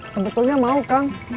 sebetulnya mau kang